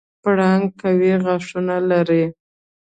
پړانګ قوي غاښونه لري.